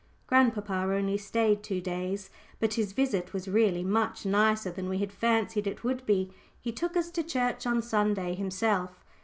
Grandpapa only stayed two days; but his visit was really much nicer than we had fancied it would be. He took us to church on Sunday himself.